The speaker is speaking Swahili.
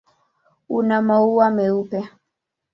Una maua meupe.